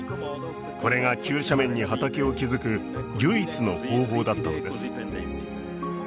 これが急斜面に畑を築く唯一の方法だったのです